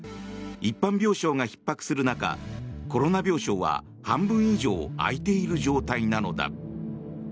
一般病棟がひっ迫する中コロナ病床は半分以上空いている状態なのだ。